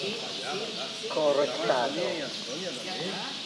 korektado